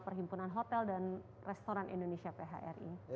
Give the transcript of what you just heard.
perhimpunan hotel dan restoran indonesia phri